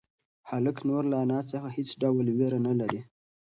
هلک نور له انا څخه هېڅ ډول وېره نهلري.